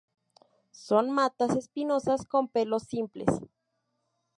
Son matas espinosas con pelos simples.